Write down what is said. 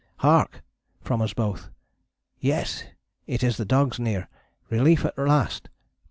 "Hark!" from us both. "Yes, it is the dogs near. Relief at last.